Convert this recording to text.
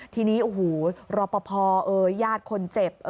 ทีนี้โอ้โหรอปภญาติคนเจ็บ